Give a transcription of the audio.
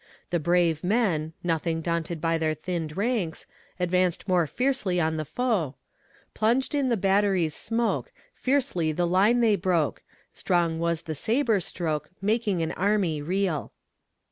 The brave men, nothing daunted by their thinned ranks, advanced more fiercely on the foe Plunged in the battery's smoke, Fiercely the line they broke; Strong was the saber stroke, Making an army reel.